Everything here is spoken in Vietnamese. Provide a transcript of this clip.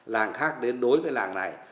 làng khác đến đối với làng này